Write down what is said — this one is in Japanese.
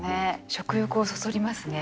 食欲をそそりますね